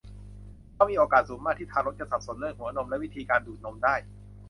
เพราะมีโอกาสสูงมากที่ทารกจะสับสนเรื่องหัวนมและวิธีการดูดนมได้